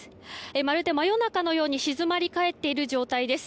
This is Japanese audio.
まるで真夜中のように静まり返っている状態です。